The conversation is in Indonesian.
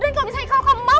dan kalau misalnya kamu mau